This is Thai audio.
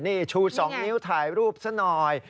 นี่ชู๒นิ้วถ่ายรูปซะหน่อย